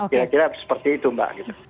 kira kira seperti itu mbak